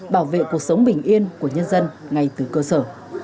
bảo vệ cuộc sống bình yên của nhân dân ngay từ cơ sở